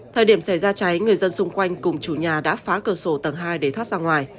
thời điểm xảy ra cháy người dân xung quanh cùng chủ nhà đã phá cửa sổ tầng hai để thoát ra ngoài